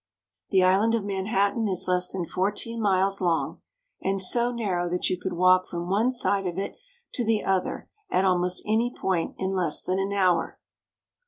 The island of Manhattan is less than fourteen miles long, and so narrow that you could walk from one side of it to the other at almost any point in less than an hour.